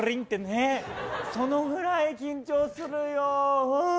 そのぐらい緊張するよ。